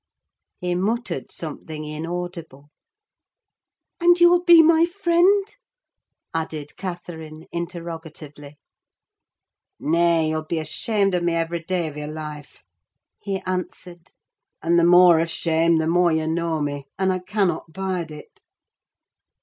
He muttered something inaudible. "And you'll be my friend?" added Catherine, interrogatively. "Nay, you'll be ashamed of me every day of your life," he answered; "and the more ashamed, the more you know me; and I cannot bide it."